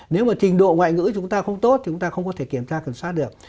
nếu mà trình độ ngoại ngữ chúng ta không tốt thì chúng ta không có thể kiểm tra kiểm soát được